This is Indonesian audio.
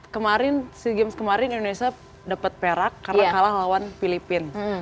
kemarin sea games kemarin indonesia dapat perak karena kalah lawan filipina